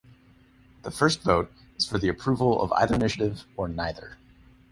The first vote is for the approval of either initiative or neither.